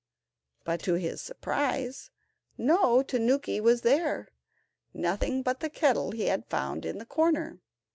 But, to his surprise, no tanuki was there, nothing but the kettle he had found in the corner.